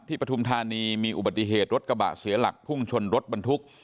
ที่ประธุมธรรมดิออุบัติเหตุรถกระบาดเสียหลักพุ่งชนรถบันทุกข์